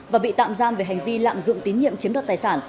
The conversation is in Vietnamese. và bị tạm giam về hành vi lạm dụng tín nhiệm chiếm đoạt tài sản